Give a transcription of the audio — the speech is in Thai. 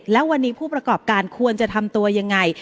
แล้ววันนี้ผู้ประกอบการควรจะทำตัวยังไง